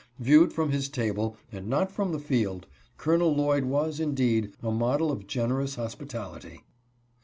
Viewed from his table, and not from the field, Colonel Lloyd was, indeed, a model of generous hospitality.